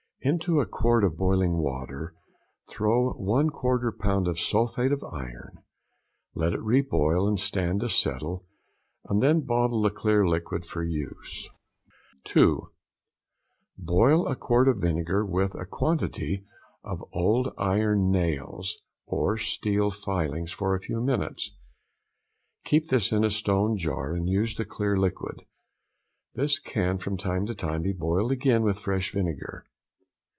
Into a quart of boiling water, throw a 1/4 lb. of sulphate of iron, let it re boil, and stand to settle, and then bottle the clear liquid for use. |102| 2. Boil a quart of vinegar with a quantity of old iron nails or steel filings for a few minutes. Keep this in a stone jar, and use the clear liquid. This can from time to time be boiled again with fresh vinegar.